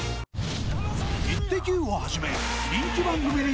［『イッテＱ！』をはじめ人気番組に引っ張りだこ］